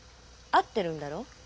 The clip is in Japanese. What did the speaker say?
会ってるんだろう